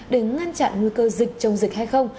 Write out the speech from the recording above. để ngăn chặn nguy cơ dịch trong dịch hay không